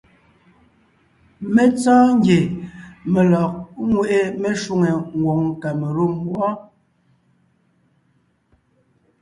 Mé tsɔ́ɔn ngie mé lɔg ńŋweʼe meshwóŋè ngwòŋ Kamalûm wɔ́.